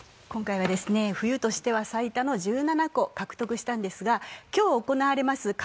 今回は冬としては最多の１７個獲得したんですが今日行われます